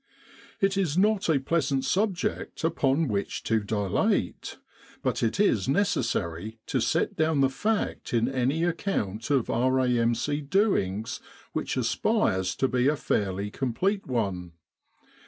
It is not a pleasant subject upon which to dilate, but it is necessary to set down the fact in any account of R.A.M.C. doings which aspires to be a fairly complete one.